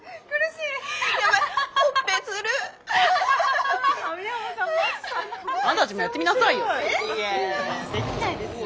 いやいやできないですよ。